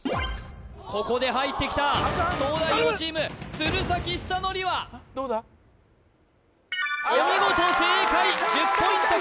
ここで入ってきた東大王チーム鶴崎修功はお見事正解１０ポイント